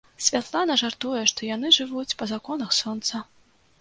Святлана жартуе, што яны жывуць па законах сонца.